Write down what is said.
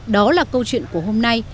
đó là câu chuyện của hôm nay